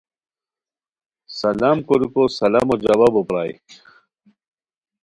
سلام کوریکو سلامو جوابو پرائے